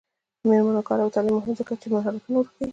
د میرمنو کار او تعلیم مهم دی ځکه چې مهارتونه ورښيي.